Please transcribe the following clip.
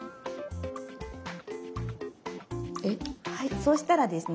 そうしたらですね